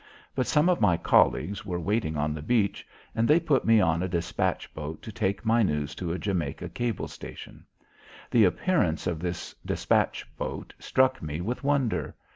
But some of my colleagues were waiting on the beach, and they put me on a despatch boat to take my news to a Jamaica cable station. The appearance of this despatch boat struck me with wonder.